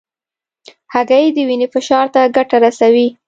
هګۍ د وینې فشار ته ګټه رسوي.